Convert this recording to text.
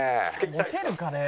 「持てるかね？」